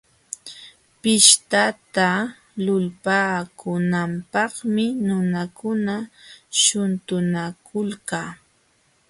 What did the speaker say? Pishtata lulpaakunanpaqmi nunakuna shuntunakulka.